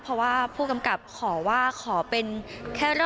เพราะว่าผู้กำกับขอว่าขอเป็นแค่รอบเดียว